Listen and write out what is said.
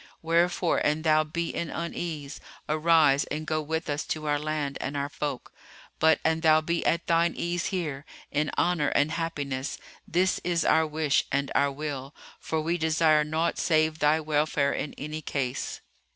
Wherefore, an thou be in unease, arise and go with us to our land and our folk; but, an thou be at thine ease here, in honour and happiness, this is our wish and our will; for we desire naught save thy welfare in any case."